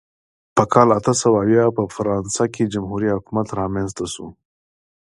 په کال اته سوه اویا په فرانسه کې جمهوري حکومت رامنځته شو.